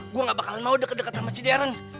gue gak bakal mau deket deket sama si darren